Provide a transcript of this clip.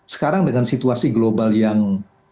sekarang dengan situasi global yang